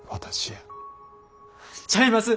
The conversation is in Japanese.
ちゃいます！